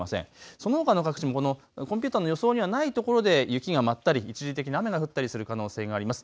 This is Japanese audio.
そのほかの各地もコンピューターの予想にはない所で雪が舞ったり一時的な雨が降ったりする可能性があります。